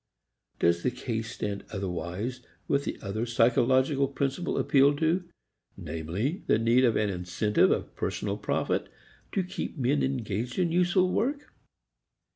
Does the case stand otherwise with the other psychological principle appealed to, namely, the need of an incentive of personal profit to keep men engaged in useful work?